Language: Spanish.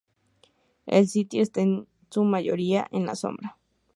El sitio está en su mayoría en la sombra.